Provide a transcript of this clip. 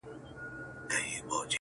o ستا شاعري گرانه ستا اوښکو وړې.